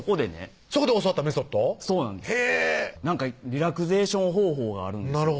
リラクゼーション方法があるんですよ